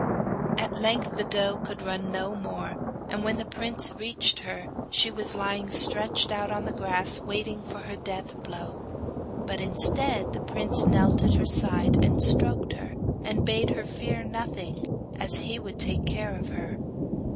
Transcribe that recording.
At length the doe could run no more, and when the prince reached her, she was lying stretched out on the grass, waiting for her death blow. But instead the prince knelt at her side, and stroked her, and bade her fear nothing, as he would take care of her.